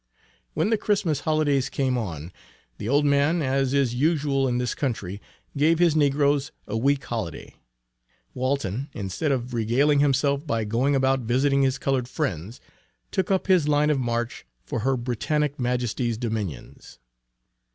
When the Christmas Holidays came on, the old man, as is usual in this country, gave his negroes a week Holiday. Walton, instead of regaling himself by going about visiting his colored friends, took up his line of march for her Britanic Majesty's dominions.